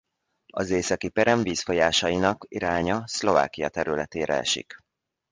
Az északi perem vízfolyásainak iránya Szlovákia területére esik.